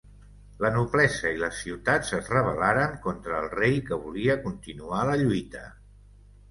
La noblesa i les ciutats es rebel·laren contra el rei que volia continuar la lluita.